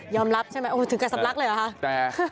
ย่ำรับใช่ไหมถึงกระสับลักษณ์เลยหรอค่ะ